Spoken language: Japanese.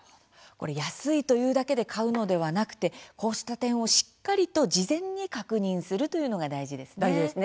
安いというだけで買うのではなくてこうした点をしっかりと事前に確認するというのが大事ですね。